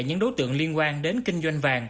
những đối tượng liên quan đến kinh doanh